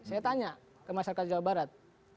saya tanya ke masyarakat jawa barat